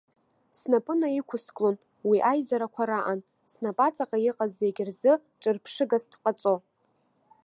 Снапы наиқәысклон уи аизарақәа раан, снапаҵаҟа иҟаз зегь рзы ҿырԥшыгас дҟаҵо.